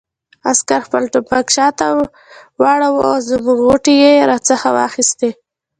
عسکر خپل ټوپک شاته واړاوه او زموږ غوټې یې را څخه واخیستې.